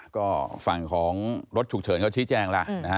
ก็ฝั่งของรถฉุกเฉินก็ชี้แจ้งล่ะ